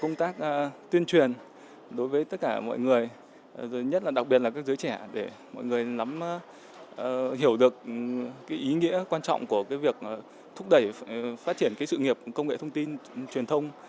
chúng tôi sẽ tuyên truyền đối với tất cả mọi người rồi nhất là đặc biệt là các giới trẻ để mọi người hiểu được cái ý nghĩa quan trọng của cái việc thúc đẩy phát triển cái sự nghiệp công nghệ thông tin truyền thông